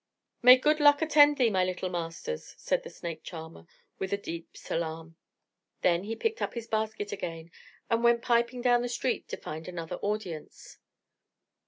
"May good luck attend thee, my little masters," said the snake charmer with a deep salaam. Then he picked up his basket again and went piping down the street to find another audience.